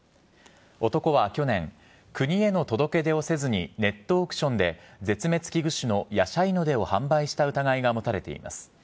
男は去年、国への届け出をせずに、ネットオークションで、絶滅危惧種のヤシャイノデを販売した疑いが持たれています。